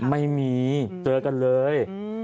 ไม่มีเจอกันเลย